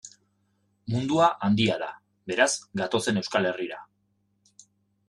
Mundua handia da, beraz, gatozen Euskal Herrira.